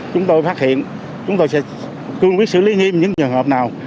chúng tôi phát hiện chúng tôi sẽ cưu quyết xử lý hiếm những trường hợp nào